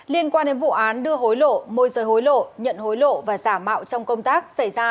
liên quan đến vụ án đưa hối lộ môi rời hối lộ nhận hối lộ và giả mạo trong công tác xảy ra